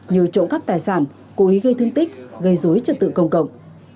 như trộm cắp tài sản cố ý gây thương tích gây dối trật tự công cộng